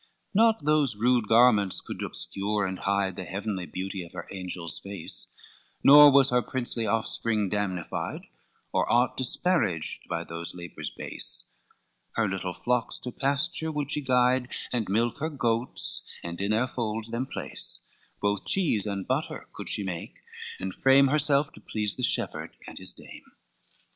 XVIII Not those rude garments could obscure and hide The heavenly beauty of her angel's face, Nor was her princely offspring damnified Or aught disparaged by those labors base; Her little flocks to pasture would she guide, And milk her goats, and in their folds them place, Both cheese and butter could she make, and frame Herself to please the shepherd and his dame.